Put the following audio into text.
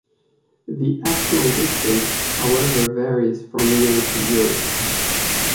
The actual distance however varies from year to year.